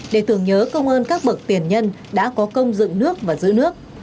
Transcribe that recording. để tưởng nhớ công ơn các bậc tiền nhân đã có công dựng nước và giữ nước